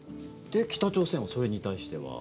で、北朝鮮はそれに対しては。